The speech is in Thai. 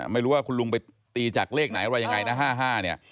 ไม่รู้ว่าคุณลุงไปตีจากเลขไหนอะไรยังไงนะ๕๕เนี่ย